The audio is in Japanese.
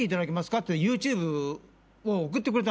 ってＹｏｕＴｕｂｅを送ってくれたの。